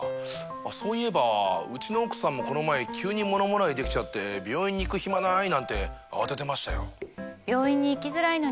そういえばうちの奥さんもこの前急にものもらいできちゃって病院に行く暇ない！なんて慌ててましたよ。